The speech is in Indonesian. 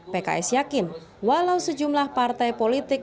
pks yakin walau sejumlah partai politik